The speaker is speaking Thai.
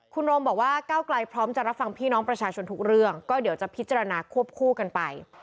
คุณโรมบอกว่าก้าวไกลพร้อมจะรับฟังพี่น้องประชาชนทุกเรื่องก็เดี๋ยวจะพิจารณาควบคู่กันไป